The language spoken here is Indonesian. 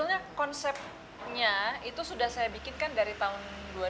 karena konsepnya itu sudah saya bikin kan dari tahun dua ribu satu